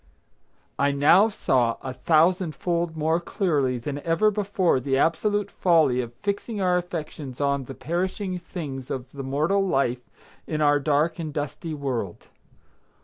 I now saw a thousand fold more clearly than ever before the absolute folly of fixing our affections on the perishing things of the mortal life in our dark and dusty world.